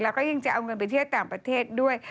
แล้วก็ยังจะเอาเงินไปเที่ยวต่างประเทศด้วย